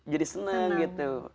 jadi seneng gitu